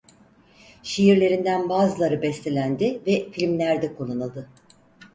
Şiirlerinden bazıları bestelendi ve filmlerde kullanıldı.